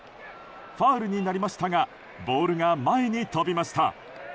ファウルになりましたがボールが前に飛びました。